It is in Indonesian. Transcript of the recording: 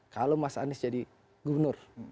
kalau mas anies jadi gubernur